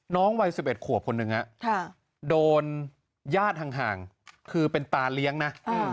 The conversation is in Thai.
วัย๑๑ขวบคนหนึ่งโดนญาติห่างคือเป็นตาเลี้ยงนะ